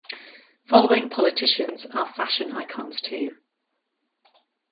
Following politicians are fashion icons too.